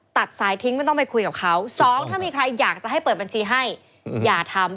ตัดสายทิ้งไม่ต้องไปคุยกับเขาสองถ้ามีใครอยากจะให้เปิดบัญชีให้อย่าทำ